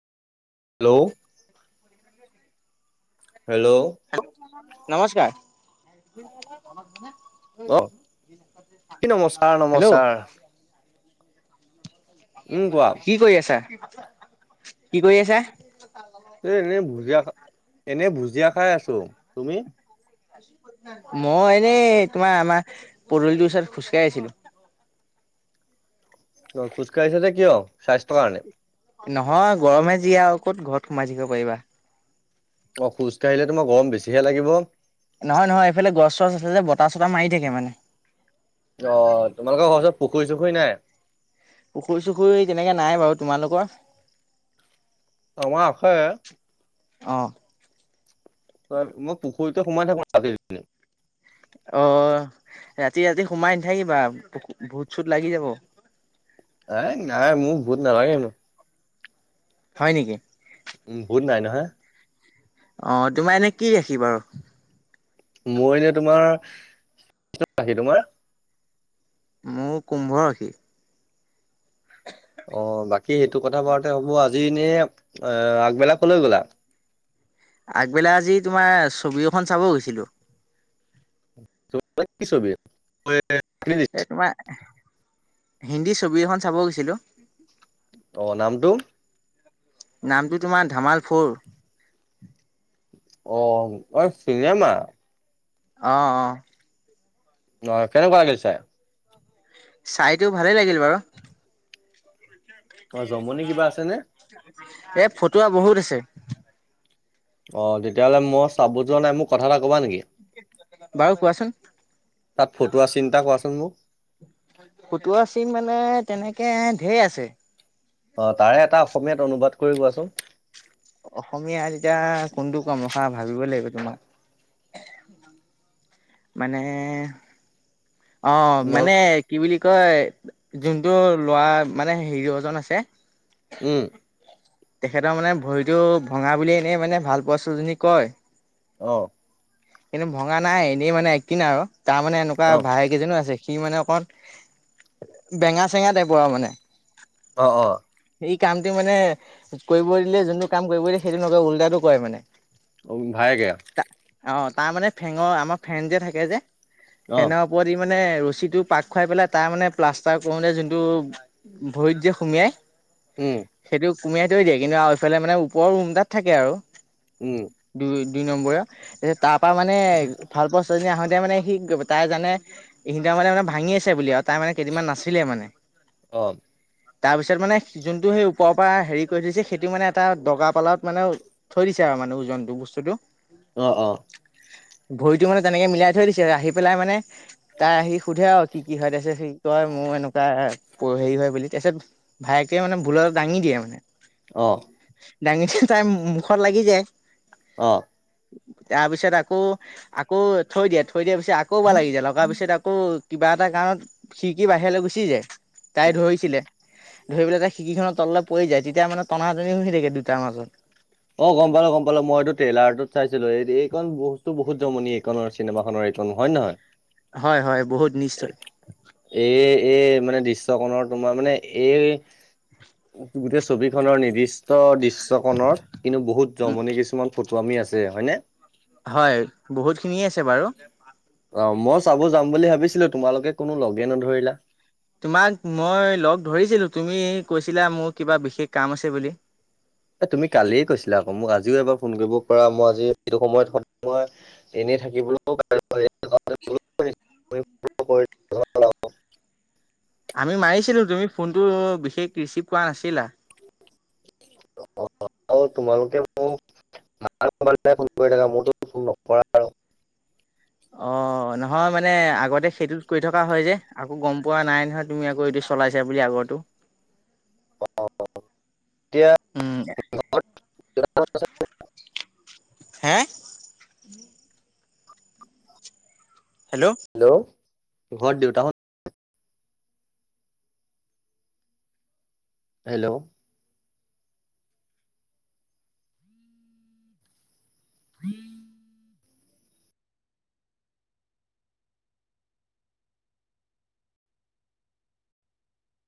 Hello hello অ কি হে---নমস্কাৰ। নমস্কাৰ হেল্ল'? নমস্কাৰ উম কোৱা কি কৰি আছা কি কৰি আছা? এই এনে ভুজিয়া খা এনে ভুজিয়া খাই আছোঁ, তুমি? মই এনেই তোমাৰ আমাৰ পদূলিটোৰ ওচৰত খোজকাঢ়ি আছিলোঁ। অ', খোজ কঢ়িছে যে কিয় স্বাস্থ্যৰ কাৰণে? নহয় গৰমে যি আৰু ক'ত ঘৰত সোমাই থাকিব পাৰিবা। অ', খোজ কঢ়িলে তোমাৰ গৰম বেছিহে লাগিব। নহয় নহয় এইফালে গছ চছ আছে যে বতাহ চটা মাৰি থাকে মানে। অ', তোমালোকৰ ঘৰ ওচৰত পুখুৰী চুখুৰী নাই? পুখুৰী চুখুৰী তেনেকে নাই বাৰু তোমালোকৰ? আমাৰ আছে। অহ। মই পুখুৰীতে সোমাই থাকোঁ আজি কালি। অ', ৰাতি ৰাতি সোমাই নথাকিবা ভোত চোত লাগি যাব। এ নাই মোৰ ভূত নালাগে। হয় নেকি উম ভূত নাই নহয়। অ তোমাৰ এনে কি ৰাশি বাৰু? মই এনে তোমাৰ ৰাশি তোমাৰ? মোৰ কুম্ভ ৰাশি। অ বাকী সেইটো কথা বাৰতে হ'ব আজি এনেই আগবেলা কলৈ গ'লা? আগবেলা আজি তোমাৰ ছবি এখন চাব গৈছিলোঁ। ছবি কি ছবি? এ তোমাৰ হিন্দী ছবি এখন চাব গৈছিলোঁ। অ নামটো? নামটো তোমাৰ ধামাল ফোৰ। অ অ চিনেমা অ অ। অ কেনেকুৱা লাগিল চাই? চাই টো ভালে লাগিল বাৰু। অ জমনি কিবা আছে নে? এ ফটুৱা বহুত আছে। অ তেতিয়াহ'লে মই চাব যোৱা নাই মোক কথা এটা কবা নেকি? বাৰু কোৱাচোন? তাত ফটুৱা চিন এটা কোৱাচোন মোক? ফটোৱা চিন মানে তেনেকে ধেৰ আছে। অ' তাৰে এটা অসমীয়াত অনুবাদ কৰি কোৱাচোন। অসমীয়াত এতিয়া কোনটো ক'ম ৰখা ভাবিব লাগিব তোমাক। মানে অ' মনত মানে কি বুলি কয় যোনটো ল'ৰা মানে হিৰোজন আছে উম। তেখেতৰ মানে ভৰিটো ভঙা বুলি এনেই মানে ভাল পোৱা ছোৱালীজনীক কয়। অ'। কিন্তু ভঙা নাই এনেই মানে একটিং আৰু। তাৰ মানে এনেকুৱা অ ভায়েক এজনো আছে। সি মানে অকণ বেঙা চেঙা টাইপৰ আৰু মানে। অ', অ'। এই কামটো মানে কৰিব দিলে, যোনটো কাম কৰিব দিয়ে সেইটো নকৰে উল্টাটো কৰে মানে। অ' ভায়েকে? অ' তাৰমানে ফেনৰ আমাৰ ফেন যে থাকে যে অ ফেনৰ ওপৰত ই মানে ৰছীটো পাক খুৱাই পেলাই তাৰ মানে প্লাষ্টাৰ কৰোঁতে যোনটো ভৰিত যে সোমিয়াই উম। সেইটো সুমিয়াই থৈ দিয়ে কিন্তু আৰু এইফালে মানে ওপৰৰ ৰুম এটাত থাকে আৰু। উম। দুই দুই নম্বৰীয়া, তাৰপা মানে ভাল পোৱা ছোৱালীজনী আহোঁতে মানে সি তাই জানে ইহঁতৰ মানে মানে ভাঙি আছে বুলি আৰু তাই মানে কেইদিনমান নাছিলে মানে। অ'। তাৰ পিছত মানে যোনটো সেই ওপৰৰ পৰা হেৰি কৰি থৈছে সেইটো মানে এটা দগা পালাত মানে থৈ দিছে আৰু মানে ওজনটো, বস্তুটো। অ', অ'। ভৰিটো মানে তেনেকে মিলাই থৈ দিছে, আহি পেলাই মানে তাই আহি সোধে আৰু। কি কি হয় তাৰপিছত সি কয় মোৰ এনেকুৱা হেৰি হয় বুলি তাৰপিছত ভায়েকে মানে ভুল এটা দাঙি দিয়ে মানে। অ'। দাঙি দিয়ে তাই মুখত লাগি যায়। অ'। তাৰপিছত আকৌ আকৌ থৈ দিয়ে, থৈ দিয়া পিছত আকৌ এবাৰ লাগি যায়, লগাৰ পিছত আকৌ কিবা এটা কাৰণত খিৰিকি বাহিৰলৈ গুচি যায়, তাই উম। ধৰিছিলে। ধৰিব পেলাই তাৰ খিৰিকীখনৰ তললৈ পৰি যায় তেতিয়া মানে টনা টনি হৈ থাকে দুটাৰ মাজত। অ' গম পালোঁ গম পালোঁ, মইতো ট্ৰেইলাৰত চাইছিলোঁ। এই এইকণ বস্তু বহুত জমনি, এইকনৰ চিনেমাখনৰ এইকণ হয়নে নহয়? [inaudible] হয় হয়, বহুত নিশ্চয়। এ, এ, মানে দৃশ্যকণৰ তোমাৰ মানে এই গোটেই ছবিখনৰ নিৰ্দিষ্ট দৃশ্যক কিন্তু বহুত উম জমনি কিছুমান ফটোৱামি আছে হয়নে? হয়, বহুতখিনিয়ে আছে বাৰু। অ' মই চাব যাম বুলি ভাবিছিলোঁ, তোমালোকে কোনো লগে নধৰিলা। তোমাক মই লগ ধৰিছিলোঁ, তুমি কৈছিলা মোৰ কিবা বিশেষ কাম আছে বুলি। এ তুমি কালিয়ে কৈছিলা আকৌ, মোক আজিও এবাৰ ফোন কৰিব পাৰা, মই আজি সেইটো সময়তই [unintelligible] মই এনেই থাকিবলৈও [unintelligible] [inaudible] আমি মাৰিছিলোঁ, তুমি ফোনটো বিশেষ ৰিচিভ কৰা নাছিলা। [unintelligible] অ', নহয় মানে আগতে সেইটোত কৰি থকা হয় যে, আকৌ গম পোৱা নাই নহয় তুমি আকৌ এইটো চলাইছা বুলি আগৰটো। [inaudible] উম [unintelligible] হে? হেল্ল' হেল্ল', ঘৰত দেউতাহঁত হেল্ল' [inaudible]